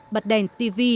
bật đèn tv